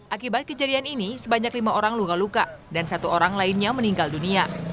akibat kejadian ini sebanyak lima orang luka luka dan satu orang lainnya meninggal dunia